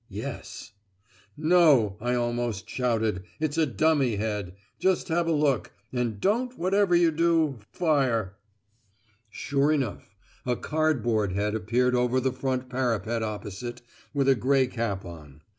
Yes! "No," I almost shouted. "It's a dummy head. Just have a look. And don't, whatever you do, fire." Sure enough, a cardboard head appeared over the front parapet opposite, with a grey cap on.